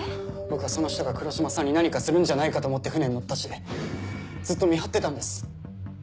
僕はその人が黒島さんに何かするんじゃないかと思って船に乗ったしずっと見張ってたんです。